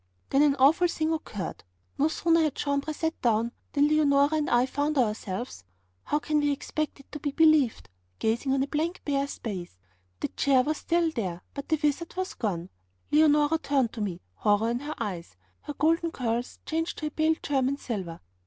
Then an awful thing occurred. No sooner had Jambres sat down than Leonora and I found ourselves how can we expect it to be believed? gazing on a blank, bare space! The chair was still there, but the wizard was gone. Leonora turned to me, horror in her eyes, her golden curls changed to a pale German silver.